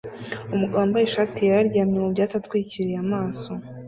Umugabo wambaye ishati yera aryamye mu byatsi atwikiriye amaso